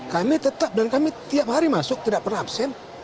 kami tetap dan kami tiap hari masuk tidak pernah absen